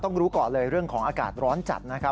รู้ก่อนเลยเรื่องของอากาศร้อนจัดนะครับ